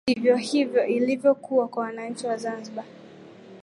ndivyo hivyo ilivyo kuwa kwa wananchi wa zanzibar